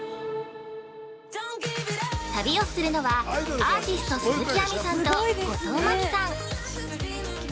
旅をするのは、アーティスト鈴木亜美さんと後藤真希さん。